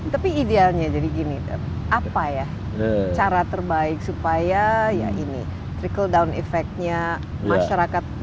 tapi idealnya jadi gini apa ya cara terbaik supaya ya ini trickle down effect nya masyarakat